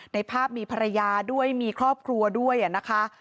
ในภาพมีภรรยาด้วยมีครอบครัวด้วยนะคะ